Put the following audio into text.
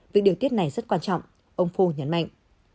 việc điều tiết này rất quan trọng ông fo nhấn mạnh